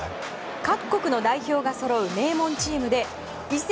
各国の代表がそろう名門チームで移籍